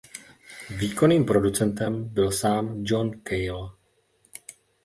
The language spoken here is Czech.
Výkonným producentem byl sám John Cale.